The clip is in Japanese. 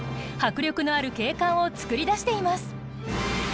迫力のある景観をつくり出しています。